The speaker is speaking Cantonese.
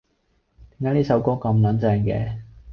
點解呢首歌咁撚正嘅？